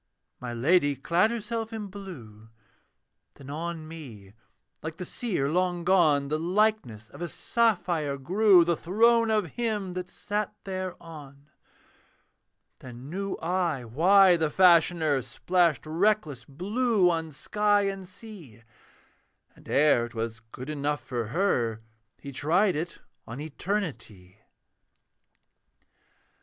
My Lady clad herself in blue, Then on me, like the seer long gone, The likeness of a sapphire grew, The throne of him that sat thereon. Then knew I why the Fashioner Splashed reckless blue on sky and sea; And ere 'twas good enough for her, He tried it on Eternity.